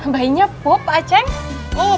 bayinya pup aceh